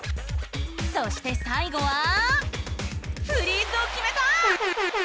そしてさいごはフリーズをきめた！